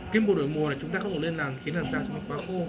khi đổi mùa này chúng ta không nên làm khiến làn da chúng ta quá khô